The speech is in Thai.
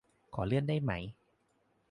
ขอเลื่อนได้ไหม